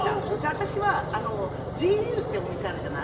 私はＧＵってお店があるじゃない。